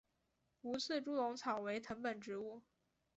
无刺猪笼草为藤本植物。